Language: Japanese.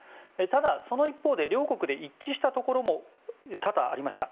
ただ、その一方で両国で一致したところも多々ありました。